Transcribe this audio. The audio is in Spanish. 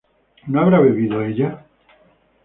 ¿no habrá bebido ella?